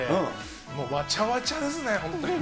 もうわちゃわちゃですね、本当に。